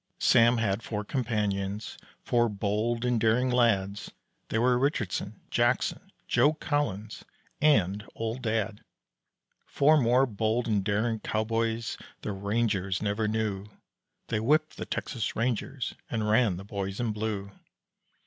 Sam had four companions four bold and daring lads They were Richardson, Jackson, Joe Collins, and Old Dad; Four more bold and daring cowboys the rangers never knew, They whipped the Texas rangers and ran the boys in blue.